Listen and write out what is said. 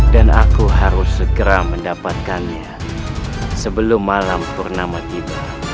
dan aku harus segera mendapatkannya sebelum malam purnama tiba